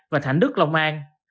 và thảnh đức lòng an